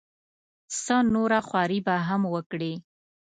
څه نوره خواري به هم وکړي.